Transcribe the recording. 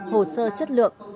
hồ sơ chất lượng